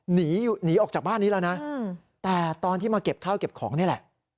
หนีหนีออกจากบ้านนี้แล้วนะแต่ตอนที่มาเก็บข้าวเก็บของนี่แหละ